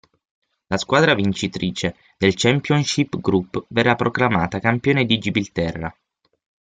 La squadra vincitrice del Championship Group verrà proclamata campione di Gibilterra.